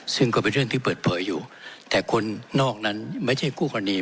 ซึ่งก็เป็นเรื่องที่เปิดเผยอยู่แต่คนนอกนั้นไม่ใช่คู่กรณี